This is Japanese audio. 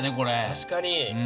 確かに。